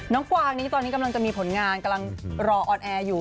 กวางนี้ตอนนี้กำลังจะมีผลงานกำลังรอออนแอร์อยู่